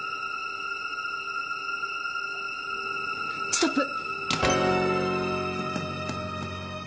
ストップ！